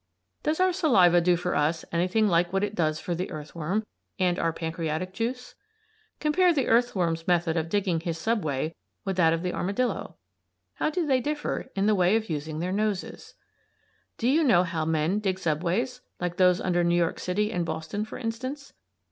Does our saliva do for us anything like what it does for the earthworm; and our pancreatic juice? Compare the earthworm's method of digging his subway with that of the armadillo. How do they differ in the way of using their noses? Do you know how men dig subways; like those under New York City and Boston, for instance?